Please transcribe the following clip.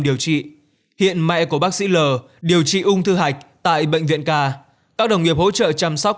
điều trị hiện mẹ của bác sĩ l điều trị ung thư hạch tại bệnh viện ca các đồng nghiệp hỗ trợ chăm sóc